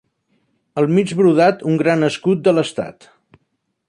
Al mig brodat un gran escut de l'estat.